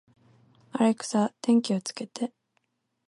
アレクサ、電気をつけて